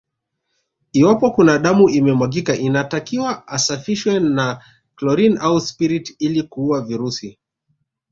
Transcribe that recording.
Iwapo kuna damu imemwagika inatakiwa isafishwe na chlorine au spirit ili kuua virusi